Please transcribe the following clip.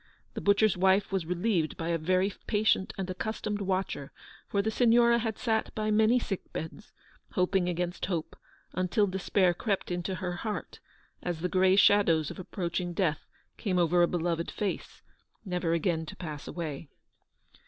The butcher's wife was relieved by a very patient and accustomed watcher, for the Signora had sat by many sick beds, hoping against hope, until despair crept into her heart, as the grey shadows of approaching death came over a beloved face, never again to pass away.